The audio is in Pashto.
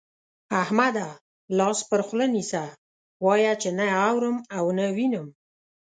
احمده! لاس پر خوله نيسه، وايه چې نه اورم او نه وينم.